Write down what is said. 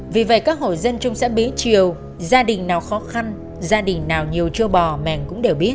vì vậy các hội dân chung sẽ bí chiều gia đình nào khó khăn gia đình nào nhiều châu bò mèng cũng đều biết